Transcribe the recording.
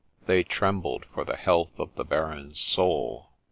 They trembled for the health of the Baron's soul.